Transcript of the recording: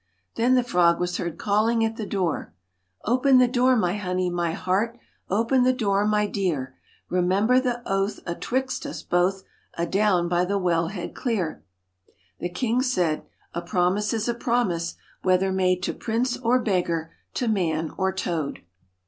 Then the frog was heard calling at the door c Open the door, my honey, my heart, Open the door, my dear. Remember the oath atwixt us both, Adown by the wellhead clear.' The king said: *A promise is a promise, whether made to prince or beggar, to man or toad.'